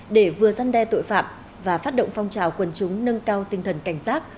để vừa giăn đe tội phạm và phát động phong trào quần chúng nâng cao tinh thần cảnh sát